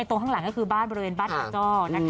ตรงข้างหลังก็คือบ้านบริเวณบ้านอาจ้อ